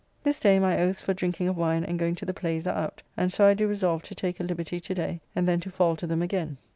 This day my oaths for drinking of wine and going to plays are out, and so I do resolve to take a liberty to day, and then to fall to them again.